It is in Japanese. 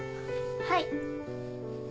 はい。